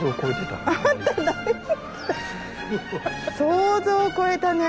想像を超えたね。